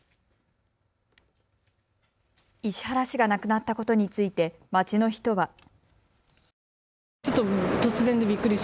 石原氏が亡くなったことについて街の人は。